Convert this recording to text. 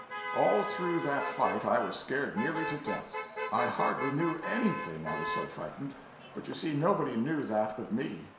All through that fight I was scared nearly to death. I hardly knew anything, I was so frightened; but you see, nobody knew that but me.